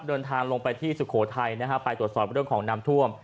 เดินทางลงไปที่สุโขทัยนะฮะไปตรวจสอบเรื่องของน้ำท่วม